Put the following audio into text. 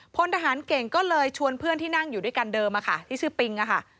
พลทหารเก่งก็เลยชวนเพื่อนที่นั่งอยู่ด้วยกันเดิมอะค่ะที่ชื่อปิงอะค่ะ